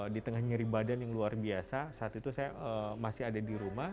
di tengah nyeri badan yang luar biasa saat itu saya masih ada di rumah